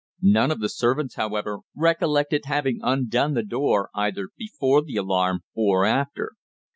None of the servants, however, recollected having undone the door either before the alarm or after.